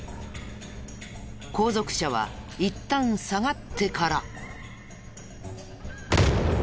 後続車はいったん下がってから。